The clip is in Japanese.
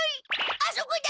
あそこだ！